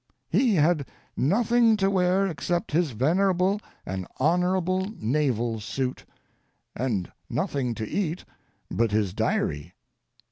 He had nothing to wear except his venerable and honorable naval suit, and nothing to eat but his diary.